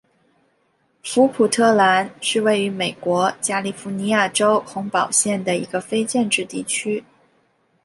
弗鲁特兰是位于美国加利福尼亚州洪堡县的一个非建制地区。